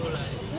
oh rahasia mas